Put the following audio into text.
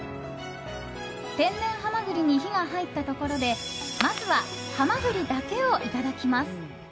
天然ハマグリに火が入ったところでまずはハマグリだけをいただきます。